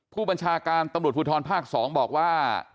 ผู้บัญชาการตำรวจภูทรภาค๒บอกว่า